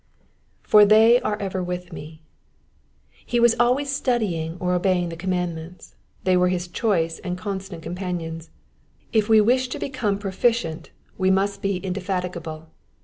'•''For they are ever with me^ He was always studying or obeying the commandments ; they were his choice and constant companions. It we wish to become proficient we must be indefatigable.